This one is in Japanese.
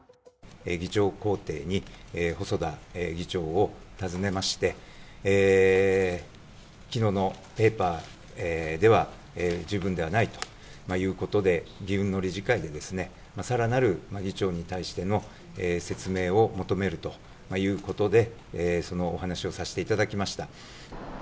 議長公邸に、細田議長を訪ねまして、きのうのペーパーでは十分ではないということで、議運の理事会でさらなる議長に対しての説明を求めるということで、そのお話をさせていただきました。